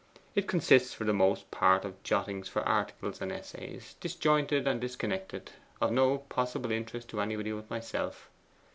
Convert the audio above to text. It consists for the most part of jottings for articles and essays, disjointed and disconnected, of no possible interest to anybody but myself.